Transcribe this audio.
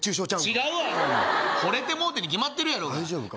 違うわアホお前ほれてもうてに決まってるやろが大丈夫か？